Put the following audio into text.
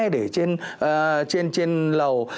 để trên lầu